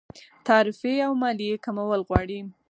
تعرفې او مالیې کمول غواړي.